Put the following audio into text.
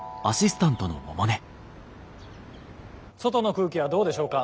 外の空気はどうでしょうか？